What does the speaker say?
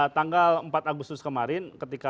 tanggal empat agustus kemarin ketika